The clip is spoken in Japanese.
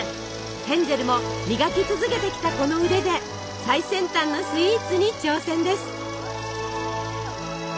ヘンゼルも磨き続けてきたこの腕で最先端のスイーツに挑戦です。